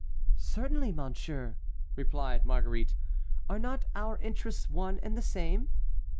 "Certainly, monsieur," replied Marguerite; "are not our interests one and the same?"